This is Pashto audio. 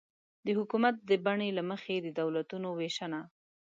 د حکومت د بڼې له مخې د دولتونو وېشنه